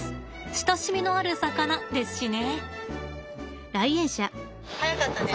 親しみのある魚ですしね。